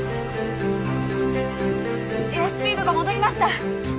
エアスピードが戻りました。